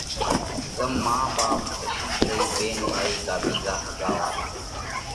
زم مان، ٻاپ، اشِيترئِي، ٻينَ، ڀائِي ڪا ٻِيزا ۿڳا والا۔